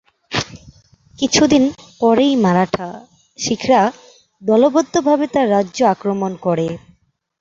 কিছুদিন পরেই মারাঠা, শিখরা দলবদ্ধভাবে তার রাজ্য আক্রমণ করে।